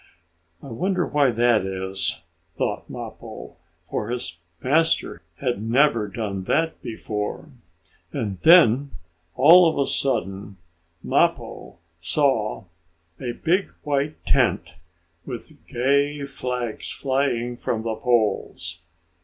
"I wonder why that is," thought Mappo, for his master had never done that before. And then, all of a sudden, Mappo saw a big white tent, with gay flags flying from the poles.